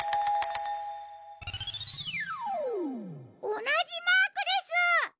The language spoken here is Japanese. おなじマークです！